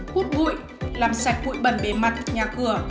hút bụi làm sạch bụi bẩn bề mặt nhà cửa